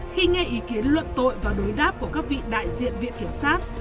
khi nghe ý kiến luận tội và đối đáp của các vị đại diện viện kiểm sát